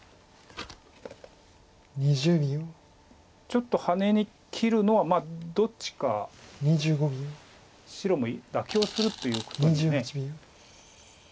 ちょっとハネに切るのはどっちか白も妥協するということに。